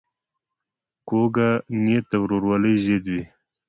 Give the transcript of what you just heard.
کوږه نیت د ورورولۍ ضد وي